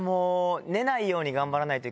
寝ないように頑張らないと。